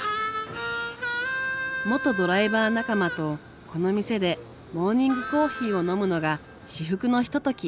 元ドライバー仲間とこの店でモーニングコーヒーを飲むのが至福のひととき。